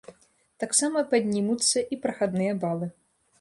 Таксама паднімуцца і прахадныя балы.